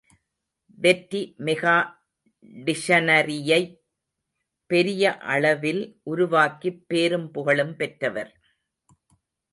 வெற்றி மெகா டிக்ஷனரியைப் பெரிய அளவில் உருவாக்கிப் பேரும் புகழும் பெற்றவர்.